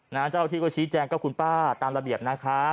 เจ้าที่ก็ชี้แจงกับคุณป้าตามระเบียบนะคะ